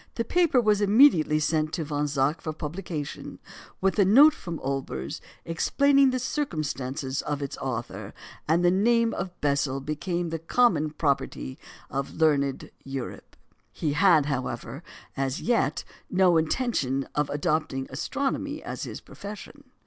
The paper was immediately sent to Von Zach for publication, with a note from Olbers explaining the circumstances of its author; and the name of Bessel became the common property of learned Europe. He had, however, as yet no intention of adopting astronomy as his profession.